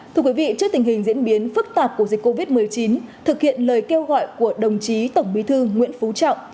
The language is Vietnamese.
thưa quý vị trước tình hình diễn biến phức tạp của dịch covid một mươi chín thực hiện lời kêu gọi của đồng chí tổng bí thư nguyễn phú trọng